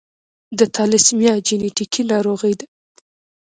د تالاسیمیا جینیټیکي ناروغي ده.